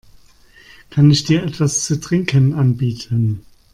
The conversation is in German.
Kann ich dir etwas zu trinken anbieten?